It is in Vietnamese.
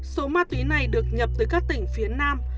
số ma túy này được nhập từ các tỉnh phía nam